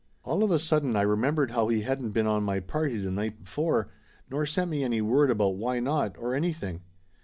All of a sudden I remembered how he hadn't been on my party the night before, nor sent me any word about why not, or anything.